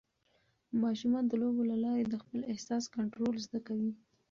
ماشومان د لوبو له لارې د خپل احساس کنټرول زده کوي.